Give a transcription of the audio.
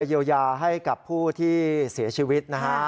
เยียวยาให้กับผู้ที่เสียชีวิตนะฮะ